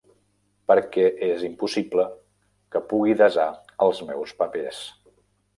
Perquè és impossible que pugui desar els meus papers.